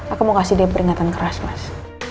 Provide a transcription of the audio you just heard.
aku mau kasih dia peringatan keras mas